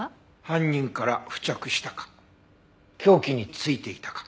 犯人から付着したか凶器に付いていたか。